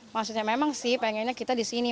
maksudnya memang sih pengennya kita di sini